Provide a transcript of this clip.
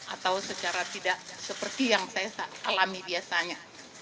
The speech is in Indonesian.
atau secara tidak seperti yang saya alami biasanya